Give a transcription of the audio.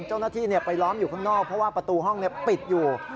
เจ้าหน้าที่ไปล้อมอยู่ข้างนอกเพราะว่าประตูห้องปิดอยู่